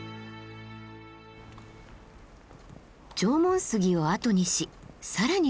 縄文杉を後にし更に進むと。